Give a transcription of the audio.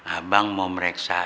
abang mau mereksa